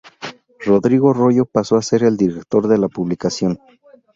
Rodrigo Royo pasó a ser el director de la publicación.